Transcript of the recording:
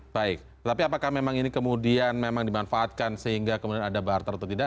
baik tapi apakah memang ini kemudian memang dimanfaatkan sehingga kemudian ada barter atau tidak